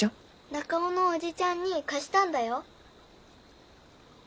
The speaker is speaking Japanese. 中尾のおじちゃんに貸したんだよ。